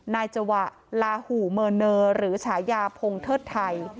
นายจวะลาหูเมอร์เนอร์หรือฉายาพงเทิดไทย